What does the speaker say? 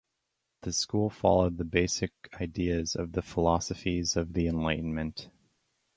The school followed the basic ideas of the Philosophes of the Enlightenment.